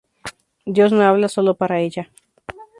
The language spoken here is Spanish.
Dios no habla sólo para Ella.